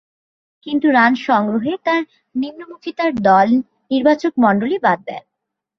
কিন্তু, রান সংগ্রহে তার নিম্নমূখীতায় দল নির্বাচকমণ্ডলী বাদ দেন।